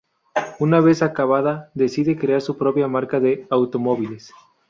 Una vez acabada decide crear su propia marca de automóviles.